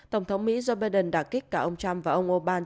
tổng thống mỹ joe biden đã kích cả ông trump và ông orbán